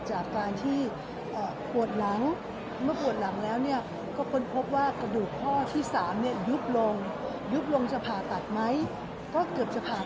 ใช่ไม่ได้ยินไม่ได้ยินตกลงไม่ได้ยินเอ่อก็เอาไมค์ไปที่ลำโพงทั้งหมดเลยใช้อย่างงั้นอาจจะได้